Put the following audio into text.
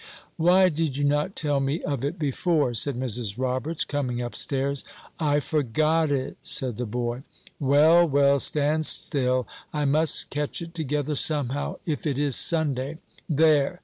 "Why did you not tell me of it before?" said Mrs. Roberts, coming up stairs. "I forgot it," said the boy. "Well, well, stand still; I must catch it together somehow, if it is Sunday. There!